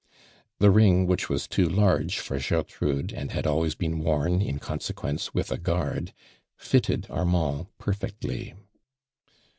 The ring, which was too large for Gertrude and had been always worn in consequence with a guard, fitted Armand perfectly.